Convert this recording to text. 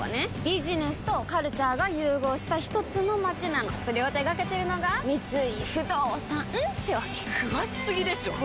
ビジネスとカルチャーが融合したひとつの街なのそれを手掛けてるのが三井不動産ってわけ詳しすぎでしょこりゃ